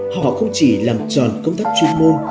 họ không chỉ làm tròn công tác chuyên môn